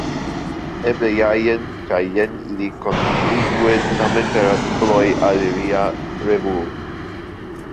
Eble ja jen kaj jen ili kontribuos tamen per artikoloj al nia revuo.